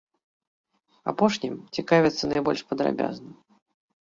Апошнім цікавяцца найбольш падрабязна.